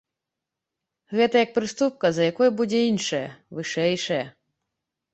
Гэта як прыступка, за якой будзе іншая, вышэйшая.